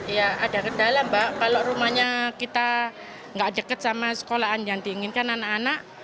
ya ada kendala mbak kalau rumahnya kita nggak deket sama sekolahan yang diinginkan anak anak